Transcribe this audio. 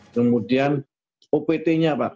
kemudian opt nya apa